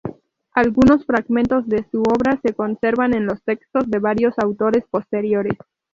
Algunos fragmentos de su obra se conservan en los textos de varios autores posteriores.